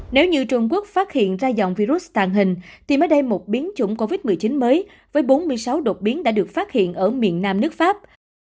nếu như trung quốc phát hiện ra dòng virus tàn hình thì mới đây một biến chủng covid một mươi chín mới với bốn mươi sáu đột biến đã được phát hiện ở miền nam nước pháp